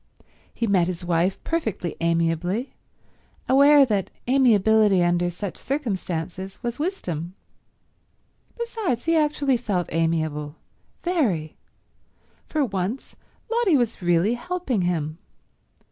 He met his wife perfectly amiably, aware that amiability under such circumstances was wisdom. Besides, he actually felt amiable—very. For once, Lotty was really helping him.